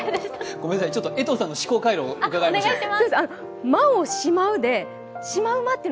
ごめんなさい、江藤さんの思考回路をうかがいましょう。